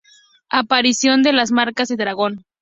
Aparición de las marcas de dragón.